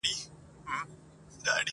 په مونږه خو ددې وطن سمسوره ده ټولنه